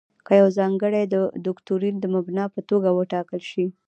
که یو ځانګړی دوکتورین د مبنا په توګه وټاکل شي.